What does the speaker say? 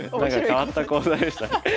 変わった講座でしたね。